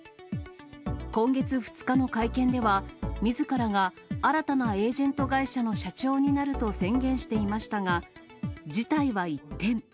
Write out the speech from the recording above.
今月２日の会見では、みずからが新たなエージェント会社の社長になると宣言していましたが、事態は一転。